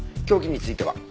凶器については？